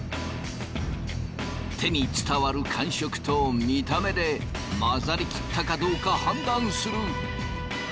手に伝わる感触と見た目で混ざりきったかどうか判断する。